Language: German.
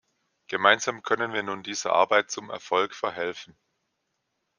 Gemeinsam können wir nun dieser Arbeit zum Erfolg verhelfen.